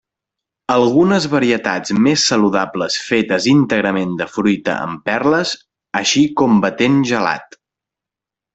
Algunes varietats més saludables fetes íntegrament de fruita amb perles, així com batent gelat.